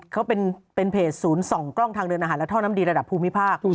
เขาเป็นเพจศูนย์ส่องกล้องทางเดินอาหารและท่อน้ำดีระดับภูมิภาค